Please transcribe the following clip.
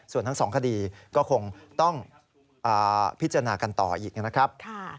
ส่วนทั้งสองคดีก็คงต้องพิจารณากันต่ออีกนะครับ